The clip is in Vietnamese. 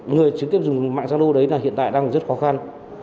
người trực tiếp dùng mạng zalo đấy là hiện tại đang rất khó khăn